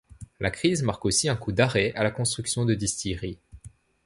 La crise marque aussi un coup d'arrêt à la construction de distilleries.